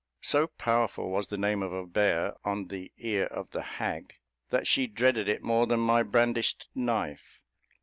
So powerful was the name of Obeah on the ear of the hag, that she dreaded it more than my brandished knife.